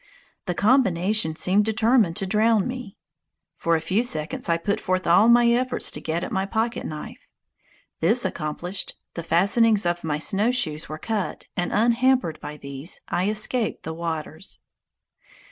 The combination seemed determined to drown me. For a few seconds I put forth all my efforts to get at my pocket knife. This accomplished, the fastenings of my snowshoes were cut, and unhampered by these, I escaped the waters.